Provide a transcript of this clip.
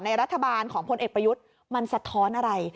รัฐบาลของพลเอกประยุทธ์มันสะท้อนอะไร